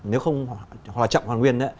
nếu không hòa trọng hoàn nguyên